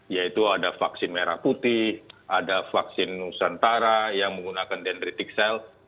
yaitu ada vaksin merah putih ada vaksin nusantara yang menggunakan dendritic cell